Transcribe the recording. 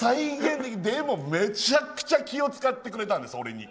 でも、めちゃくちゃ気を使ってくれたんです、俺に。